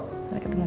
sampai ketemu pak